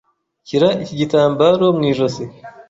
Shyira iki gitambaro mu ijosi.